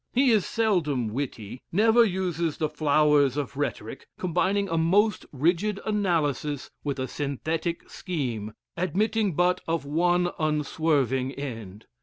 He is seldom witty never uses the flowers of rhetoric, combining a most rigid analysis with a synthetic scheme, admitting but of one unswerving end.